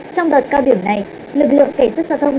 trong đợt cao điểm này lực lượng cảnh sát giao thông